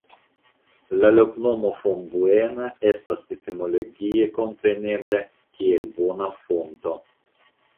La loknomo "Fombuena" estas etimologie komprenebla kiel "Bona Fonto".